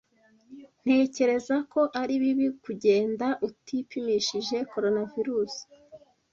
Ntekereza ko ari bibi kugenda utipimishije Coronavirusi.